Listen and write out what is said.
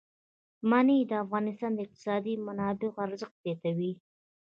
منی د افغانستان د اقتصادي منابعو ارزښت زیاتوي.